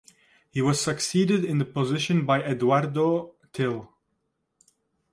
He was succeeded in the position by Eduardo Thill.